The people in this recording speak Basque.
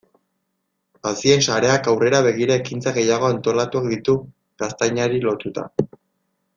Hazien sareak aurrera begira ekintza gehiago antolatuak ditu gaztainari lotuta.